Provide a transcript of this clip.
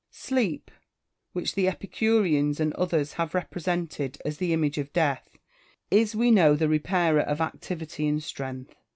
Sleep, which the Epicureans and others have represented as the image of death, is, we know, the repairer of activity and strength.